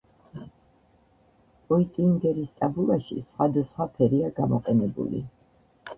პოიტინგერის ტაბულაში სხავადასხვა ფერია გამოყენებული.